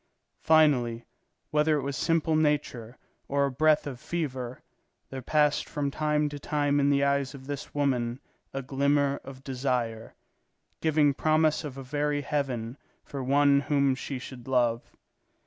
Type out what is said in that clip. Finally, whether it was simple nature or a breath of fever, there passed from time to time in the eyes of this woman a glimmer of desire, giving promise of a very heaven for one whom she should love.